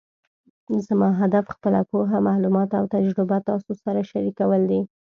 زما هدف خپله پوهه، معلومات او تجربه تاسو سره شریکول دي